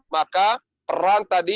maka peran tadi